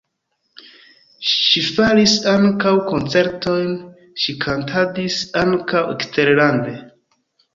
Ŝi faris ankaŭ koncertojn, ŝi kantadis ankaŭ eksterlande.